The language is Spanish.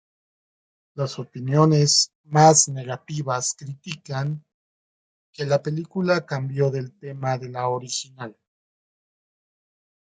Las opiniones más negativas critican, que la película cambió del tema de la original.